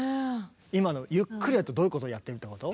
今のゆっくりやるとどういうことをやってるってこと？